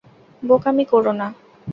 বোকামি কোরো না।